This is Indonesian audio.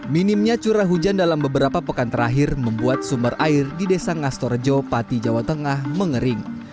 minimnya curah hujan dalam beberapa pekan terakhir membuat sumber air di desa ngastorjo pati jawa tengah mengering